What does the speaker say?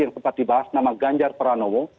yang sempat dibahas nama ganjar pranowo